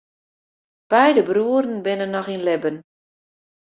Beide bruorren binne noch yn libben.